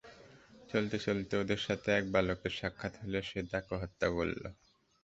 চলতে চলতে ওদের সাথে এক বালকের সাক্ষাত হলে সে তাকে হত্যা করল।